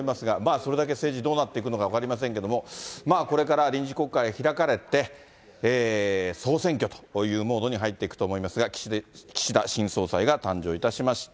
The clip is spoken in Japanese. それだけ政治どうなっていくのか分からないですけれども、これから臨時国会開かれて、総選挙というモードに入っていくと思いますが、岸田新総裁が誕生いたしました。